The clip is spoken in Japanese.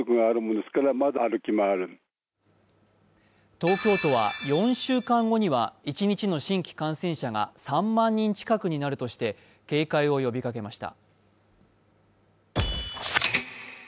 東京都は４週間後には一日の新規感染者が３万人近くになるとして警戒を呼びかけました。